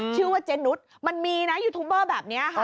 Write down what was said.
ชื่อว่าเจนุสมันมีนะยูทูบเบอร์แบบนี้ค่ะ